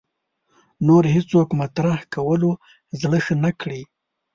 نور هېڅوک مطرح کولو زړه ښه نه کړي